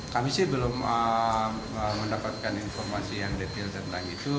kami sih belum mendapatkan informasi yang detail tentang itu